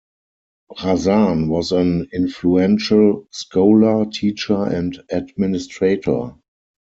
Razan was an influential scholar, teacher and administrator.